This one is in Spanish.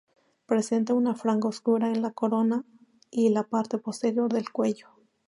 Presenta una franja oscura en la corona y la parte posterior del cuello.